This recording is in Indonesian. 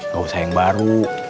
gak usah yang baru